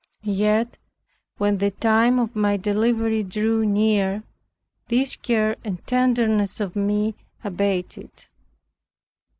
Yet, when the time of my delivery drew near, this care and tenderness of me abated.